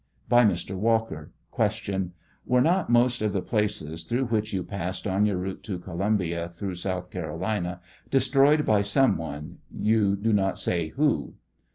By Mr. Walker : Q. Were not most of the places through which you passed on your route to Columbia, through South Car olina, destroyed by some one, you do not say who